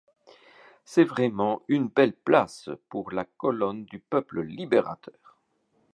C'est vraiment une belle place pour la colonne du peuple libérateur !